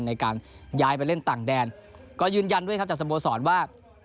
ในการย้ายไปเล่นต่างแดนก็ยืนยันด้วยครับจากสโมสรว่า